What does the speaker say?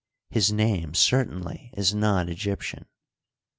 His name certainly is not Egyptian.